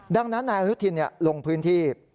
ดังนั้นนายอนุทินลงพื้นที่